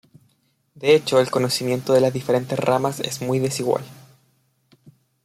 De hecho el conocimiento de las diferentes ramas es muy desigual.